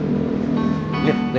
aku masuk dulu ya